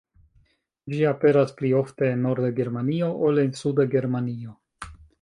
Ĝi aperas pli ofte en norda Germanio ol en suda Germanio.